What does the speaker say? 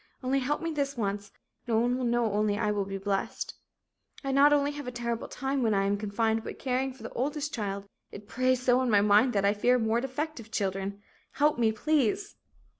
Only help me this once, no one will know only I will be blessed. "I not only have a terrible time when I am confined but caring for the oldest child it preys so on my mind that I fear more defective children. Help me please!"